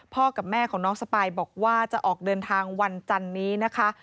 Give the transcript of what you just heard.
กับแม่ของน้องสปายบอกว่าจะออกเดินทางวันจันนี้นะคะ